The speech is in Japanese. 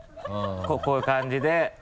こういう感じで。